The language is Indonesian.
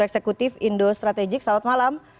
eksekutif indo strategik selamat malam